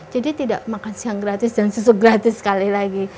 jadi tidak makan siang gratis dan susu gratis sekali lagi